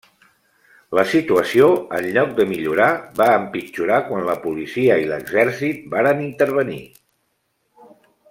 La situació, en lloc de millorar, va empitjorar quan la policia i l'exèrcit varen intervenir.